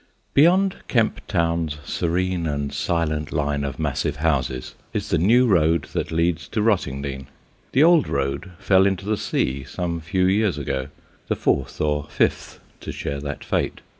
Beyond Kemp Town's serene and silent line of massive houses is the new road that leads to Rottingdean. The old road fell into the sea some few years ago the fourth or fifth to share that fate.